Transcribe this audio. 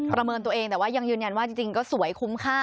เมินตัวเองแต่ว่ายังยืนยันว่าจริงก็สวยคุ้มค่า